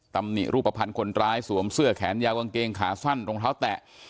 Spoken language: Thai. ตำหนิรูปภัณฑ์คนร้ายสวมเสื้อแขนยาวกางเกงขาสั้นรองเท้าแตะ